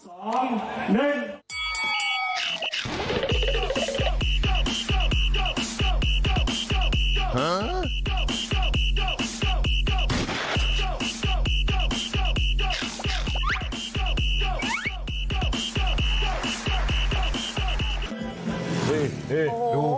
โอ้โฮ